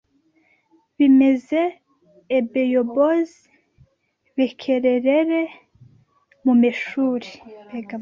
bimeze, ebeyobozi bekererere mu meshuri